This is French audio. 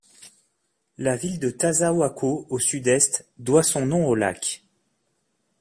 La ville de Tazawako au sud-est doit son nom au lac.